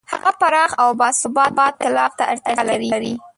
هغه پراخ او باثباته ایتلاف ته اړتیا لري.